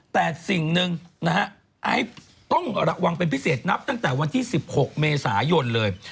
แต่สิ่งหนึ่งนะฮะไอซ์ต้องระวังเป็นพิเศษนับตั้งแต่วันที่๑๖เมษายนเลย